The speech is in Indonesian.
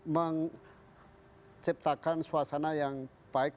menciptakan suasana yang baik